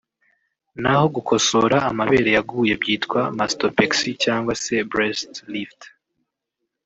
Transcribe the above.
naho gukosora amabere yaguye byitwa Mastopexy cyangwa se breast lift